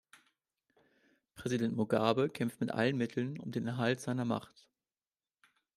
Präsident Mugabe kämpft mit allen Mitteln um den Erhalt seiner Macht.